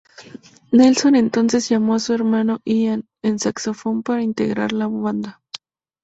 Nelson, entonces, llamó a su hermano Ian, en saxofón para integrar la banda.